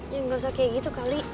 ya nggak usah kayak gitu kali